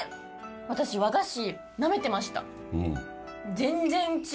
私和菓子ナメてました。